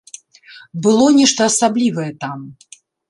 Было нешта асаблівае там.